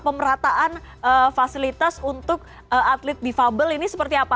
pemerataan fasilitas untuk atlet difabel ini seperti apa